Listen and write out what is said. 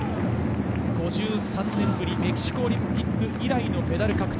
５３年ぶり、メキシコオリンピック以来のメダル獲得。